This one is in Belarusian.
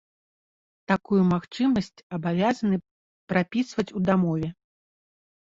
Такую магчымасць абавязаны прапісваць ў дамове.